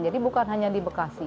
jadi bukan hanya di bekasi